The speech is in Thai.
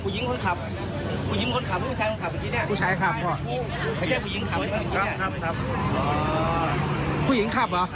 วิ่งไปต่อยตรงนู้น